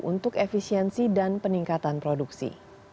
untuk efisiensi dan peningkatan produksi